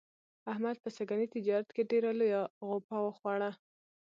احمد په سږني تجارت کې ډېره لویه غوپه و خوړله.